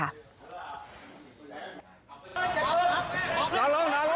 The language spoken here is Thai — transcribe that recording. นานลงนานลง